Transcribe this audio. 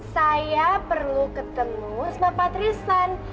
saya perlu ketemu sama pak tristan